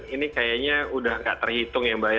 ini kayaknya sudah tidak terhitung ya mbak